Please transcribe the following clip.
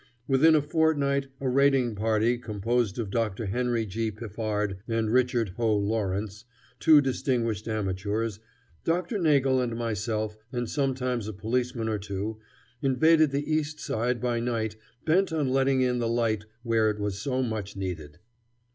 Within a fortnight a raiding party composed of Dr. Henry G. Piffard and Richard Hoe Lawrence, two distinguished amateurs, Dr. Nagle and myself, and sometimes a policeman or two, invaded the East Side by night, bent on letting in the light where it was so much needed.